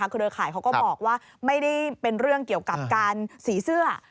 เครือข่ายเขาก็บอกว่าไม่ได้เป็นเรื่องเกี่ยวกับการสีเสื้อ